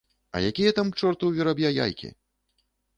А якія там к чорту ў вераб'я яйкі!